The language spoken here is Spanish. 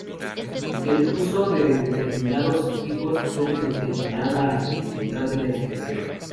El uso de determinados sufijos puede determinar la afectividad de la expresión.